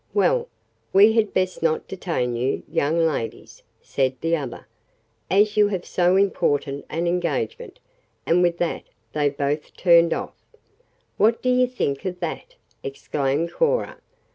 "Well, we had best not detain you, young ladies," said the other, "as you have so important an engagement," and with that they both turned off. "What do you think of that?" exclaimed Cora.